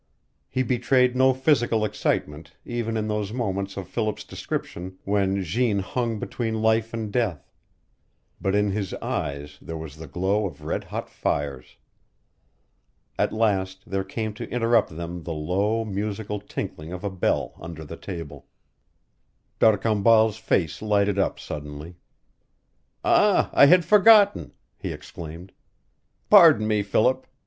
He betrayed no physical excitement, even in those moments of Philip's description when Jeanne hung between life and death; but in his eyes there was the glow of red hot fires. At last there came to interrupt them the low, musical tinkling of a bell under the table. D'Arcambal's face lighted up suddenly. "Ah, I had forgotten," he exclaimed. "Pardon me, Philip.